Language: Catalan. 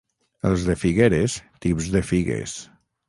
Els de Figueres, tips de figues.